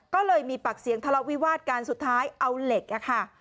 ก็เลยมีปากเสียงทะเลาะวิวาดกันสุดท้ายเอาเหล็กอะค่ะ